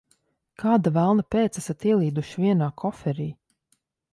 Kāda velna pēc esat ielīduši vienā koferī?